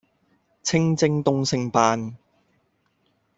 清蒸東星斑